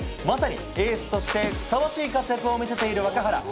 まさにエースにふさわしい活躍を見せている若原。